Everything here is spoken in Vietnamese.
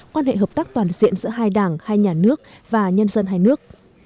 quan hệ hợp tác toàn diện giữa hai đảng hai nhà nước và nhân dân hai nước